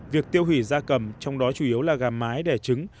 việc tiêu hủy da cầm trong đó chủ yếu là gà mái đẻ trứng